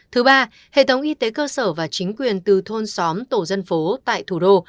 thứ ba hệ thống y tế cơ sở và chính quyền từ thôn xóm tổ dân phố tại thủ đô